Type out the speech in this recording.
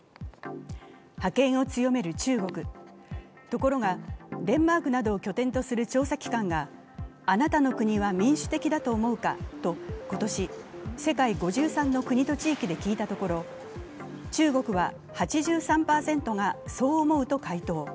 ところがデンマークなどを拠点とするあなたの国は民主的だと思うか？と今年、世界５３の国と地域で聞いたところ、中国は８３％が、そう思うと回答。